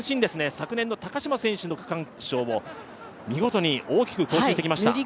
昨年の高島選手の区間賞を見事に大きく更新してきました。